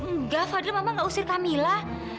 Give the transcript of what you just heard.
nggak fadl mama nggak usir kamila